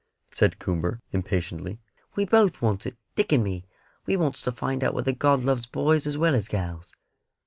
said Coomber, impatiently. "We both wants it, Dick and me; we wants to find out whether God loves boys as well as gals."